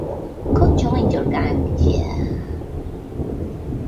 Go Join Your Gang, Yeah!